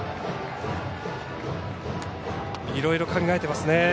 いろいろ考えていますね